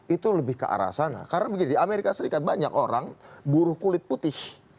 itu lebih ke arah sana karena begini di amerika serikat banyak orang buruh kulit putih